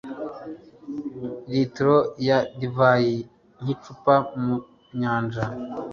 litiro ya divayi nk'icupa mu nyanja